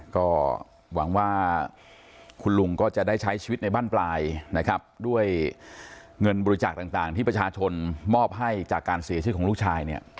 ก็หวังว่าคุณลุงก็จะได้ใช้ชีวิตในบ้านปลายนะครับด้วยเงินบริจาคต่างที่ประชาชนมอบให้จากการเสียชีวิตของลูกชายเนี่ย